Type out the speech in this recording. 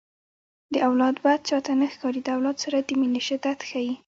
د اولاد بد چاته نه ښکاري د اولاد سره د مینې شدت ښيي